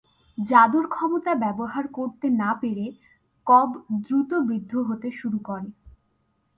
জাদুর ক্ষমতা ব্যবহার করতে না পেরে, কব দ্রুত বৃদ্ধ হতে শুরু করে।